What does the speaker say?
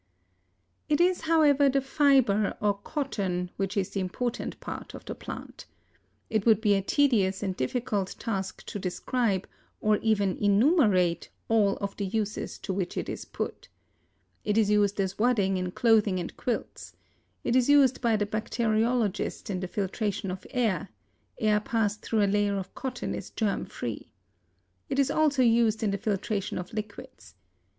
It is, however, the fiber, or cotton, which is the important part of the plant. It would be a tedious and difficult task to describe, or even enumerate, all of the uses to which it is put. It is used as wadding in clothing and quilts. It is used by the bacteriologist in the filtration of air; air passed through a layer of cotton is germ free. It is also used in the filtration of liquids.